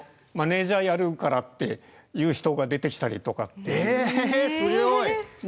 マネージャーやるからって言う人が出てきたりとかって。